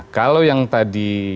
kalau yang tadi